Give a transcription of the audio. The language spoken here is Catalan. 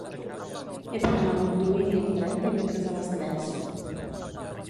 He d'anar a Montuïri amb tren dimecres a les tres.